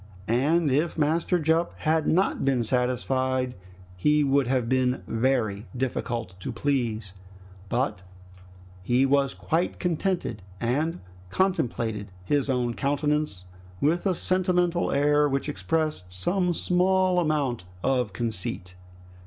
And if Master Jup had not been satisfied, he would have been very difficult to please; but he was quite contented and contemplated his own countenance with a sentimental air which expressed some small amount of conceit.